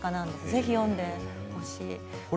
ぜひ読んでほしいです。